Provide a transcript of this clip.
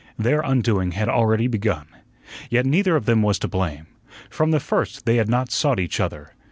Their undoing had already begun. Yet neither of them was to blame. From the first they had not sought each other.